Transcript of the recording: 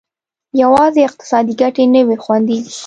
یوازې اقتصادي ګټې نه وې خوندي.